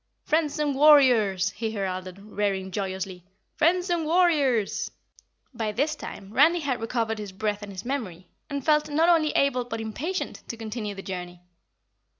"Friends and warriors!" he heralded, rearing joyously. "Friends and warriors!" By this time Randy had recovered his breath and his memory and felt not only able but impatient to continue the journey.